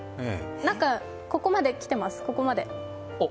なんか、ここまで来てます、ここまで。